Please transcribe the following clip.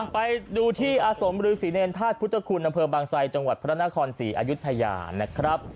ไปดูที่อสมริสิเนรทาสพุทธคุณดำเภอบางทรายจังหวัดพระนครสี่อายุทยานะครับ